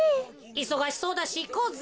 いそがしそうだしいこうぜ。